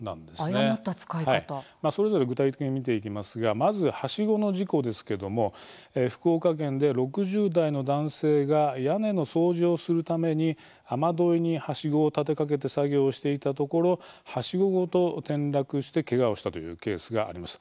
それぞれ具体的に見ていきますがまず、はしごの事故ですけれども福岡県で６０代の男性が屋根の掃除をするために雨どいに、はしごを立てかけて作業していたところはしごごと転落してけがをしたというケースがあります。